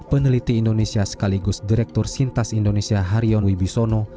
peneliti indonesia sekaligus direktur sintas indonesia harion wibisono